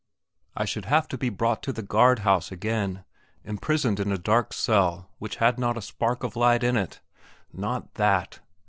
I should have to be brought to the guard house again, imprisoned in a dark cell which had not a spark of light in it. Not that!